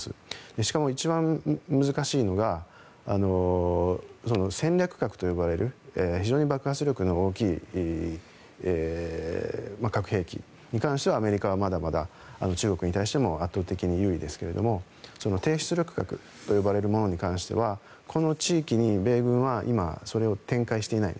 しかも一番難しいのが戦略核と呼ばれる非常に爆発力の大きい核兵器に関してはアメリカはまだまだ中国に対しても圧倒的に優位ですが低出力核と呼ばれるものに関してはこの地域に米軍は今、それを展開していません。